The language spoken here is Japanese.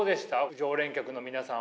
常連客の皆さんは。